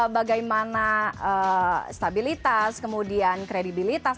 bagaimana stabilitas kemudian kredibilitas